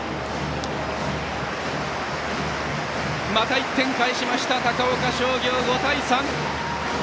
また１点返しました、高岡商業５対３！